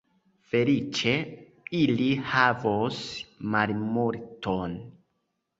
Feliĉe, ili havos malmulton.